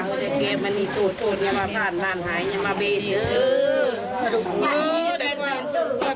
ตอนนี้ก็ไม่มีเวลาให้กลับมาเที่ยวกับเวลา